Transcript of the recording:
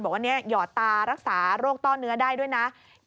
บอกว่าหยอดตารักษาโรคต้อเนื้อได้ด้วยนะ